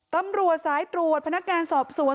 ตำรวจสายตรวจพนักงานสอบสวน